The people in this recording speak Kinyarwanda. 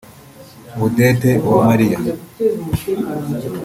Odette Uwamaliya